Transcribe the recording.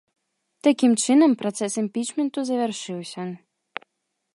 Такім чынам працэс імпічменту завяршыўся.